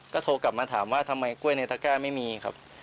ก็โทรกลับมาถามว่าทำไมกล้วยในตะก้าไม่มีครับ